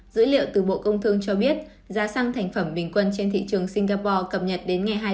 dữ liệu từ bộ công thương cho biết giá xăng thành phẩm bình quân trên thị trường singapore cập nhật đến ngày hai mươi bốn hai